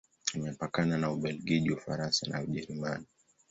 Imepakana na Ubelgiji, Ufaransa na Ujerumani.